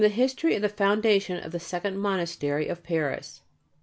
(History of the Foundation of the Second Monastery of Paris.)